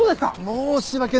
申し訳ない。